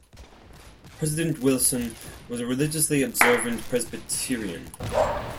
President Wilson was a religiously observant Presbyterian.